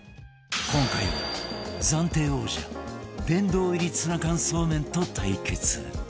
今回は暫定王者殿堂入りツナ缶そうめんと対決